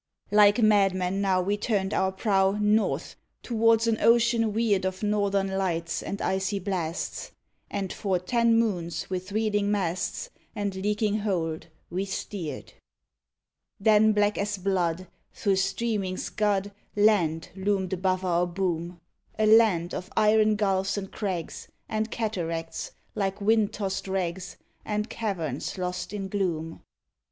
Like madmen now we turned our prow North, towards an ocean weird Of Northern Lights and icy blasts; And for ten moons with reeling masts And leaking hold we steered. Then black as blood through streaming scud Land loomed above our boom, A land of iron gulfs and crags And cataracts, like wind tossed rags, And caverns lost in gloom.